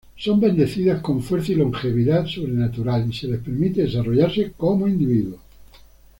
Son bendecidas con fuerza y longevidad sobrenatural y se les permite desarrollarse como individuos.